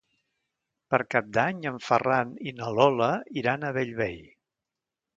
Per Cap d'Any en Ferran i na Lola iran a Bellvei.